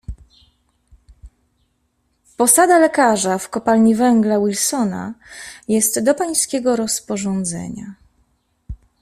"Posada lekarza w kopalni węgla Wilsona jest do pańskiego rozporządzenia."